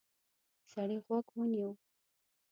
سړی غوږ ونیو.